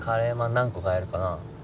何個買えるかな？